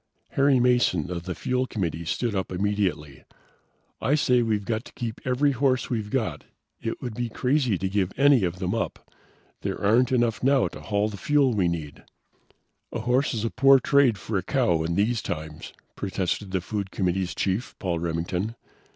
Harry Mason of the fuel committee stood up immediately. "I say we've got to keep every horse we've got. It would be crazy to give any of them up. There aren't enough now to haul the fuel we need." "A horse is a poor trade for a cow in these times," protested the food committee's chief, Paul Remington.